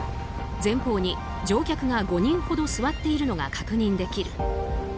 前方に乗客が５人ほど座っているのが確認できる。